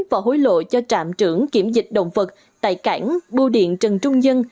và hối lộ cho trạm trưởng kiểm dịch động vật tại cảng bưu điện trần trung nhân